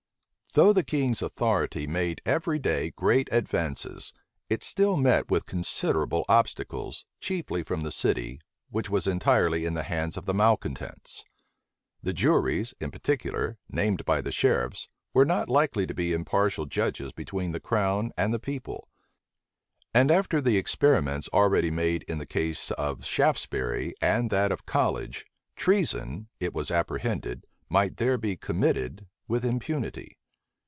Though the king's authority made everyday great advances, it still met with considerable obstacles, chiefly from the city, which was entirely in the hands of the malecontents. The juries, in particular, named by the sheriffs, were not likely to be impartial judges between the crown and the people; and after the experiments already made in the case of Shaftesbury, and that of College, treason, it was apprehended, might there be committed with impunity.